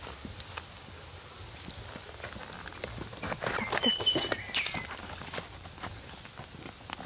ドキドキ。